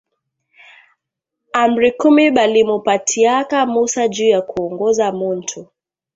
Amri kumi balimupatiaka musa juya kuongoza muntu